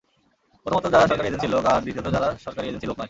প্রথমত যারা সরকারি এজেন্সীর লোক, আর দ্বিতীয়ত, যারা সরকারী এজেন্সীর লোক নয়।